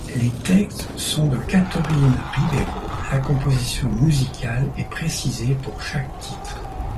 Les textes sont de Catherine Ribeiro, la composition musicale est précisée pour chaque titre.